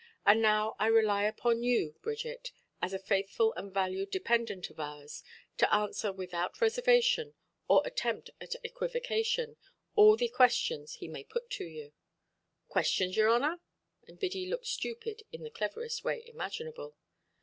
And now I rely upon you, Bridget, as a faithful and valued dependent of ours, to answer, without reservation or attempt at equivocation, all the questions he may put to you". "Quistions, your honour"? and Biddy looked stupid in the cleverest way imaginable.